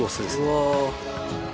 うわあ！